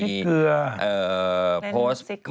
พริกเกลือ